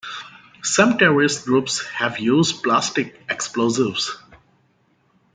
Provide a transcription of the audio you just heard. Some terrorist groups have used plastic explosives.